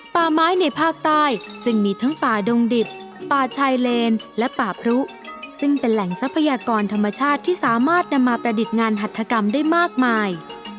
ป่าไม้ในภาคใต้จึงมีทั้งป่าดงดิบป่าชายเลนและป่าพรุซึ่งเป็นแหล่งทรัพยากรธรรมชาติที่สามารถนำมาประดิษฐ์งานหัฐกรรมได้มากมาย